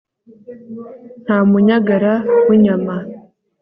nta munyagara w'inyama